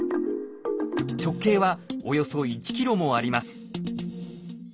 直径はおよそ１ｋｍもあります。